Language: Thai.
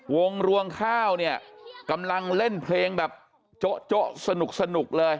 วงรวงข้าวเนี่ยกำลังเล่นเพลงแบบโจ๊ะสนุกเลย